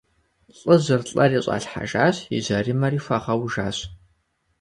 Лӏыжьыр лӏэри щӏалъхьэжащ и жьэрымэри хуагъэужащ.